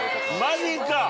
マジか！